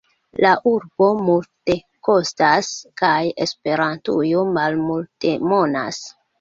La urbo multekostas kaj Esperantujo malmultemonas.